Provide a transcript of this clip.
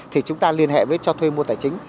thì chúng ta liên hệ với cho thuê mua tài chính